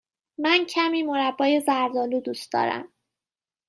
من کمی مربای زرد آلو دوست دارم.